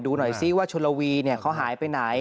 ดูหน่อยซิว่าชนละวีเขาหายไปไหน